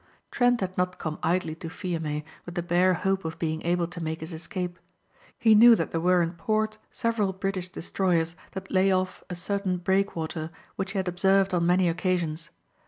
Trent had not come idly to Fiume with the bare hope of being able to make his escape. He knew that there were in port several British destroyers that lay off a certain breakwater which he had observed on many occasions.